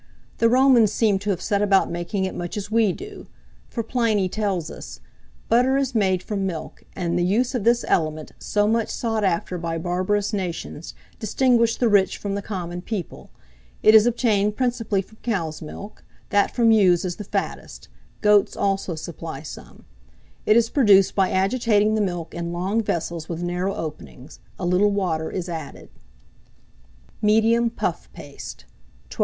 The Romans seem to have set about making it much as we do; for Pliny tells us, "Butter is made from milk; and the use of this element, so much sought after by barbarous nations, distinguished the rich from the common people. It is obtained principally from cows' milk; that from ewes is the fattest; goats also supply some. It is produced by agitating the milk in long vessels with narrow openings: a little water is added." MEDIUM PUFF PASTE. 1206.